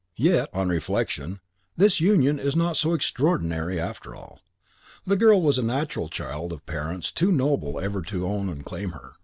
Yet, on reflection, this union was not so extraordinary after all. The girl was a natural child of parents too noble ever to own and claim her.